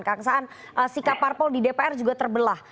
kang saan sikap parpol di dpr juga terbelah